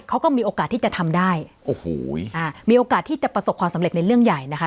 เขาก็มีโอกาสที่จะทำได้โอ้โหอ่ามีโอกาสที่จะประสบความสำเร็จในเรื่องใหญ่นะคะ